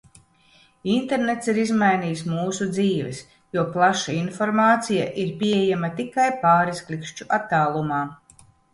Internets ir izmainījis mūsu dzīves, jo plaša informācija ir pieejama tikai pāris klikšķu attālumā.